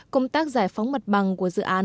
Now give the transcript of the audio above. công tác giải phóng mặt bằng của dự án